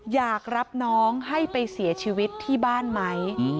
อยากรับน้องให้ไปเสียชีวิตที่บ้านไหม